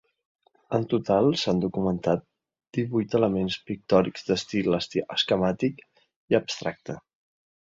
En total s'han documentat divuit elements pictòrics d'estil esquemàtic i abstracte.